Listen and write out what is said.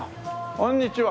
こんにちは。